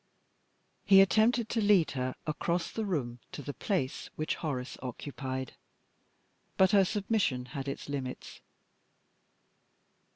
He attempted to lead her across the room to the place which Horace occupied. But her submission had its limits.